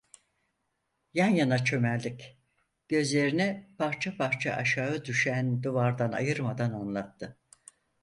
Yan yana çömeldik, gözlerini parça parça aşağı düşen duvardan ayırmadan anlattı: